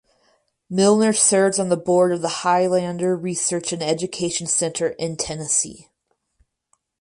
Milner serves on the board of the Highlander Research and Education Center in Tennessee.